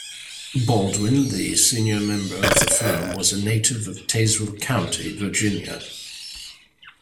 Baldwin, the senior member of the firm, was a native of Tazewell County, Virginia.